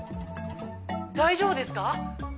大丈夫ですか？